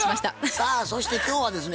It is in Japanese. さあそして今日はですね